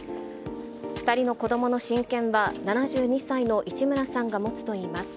２人の子どもの親権は、７２歳の市村さんが持つといいます。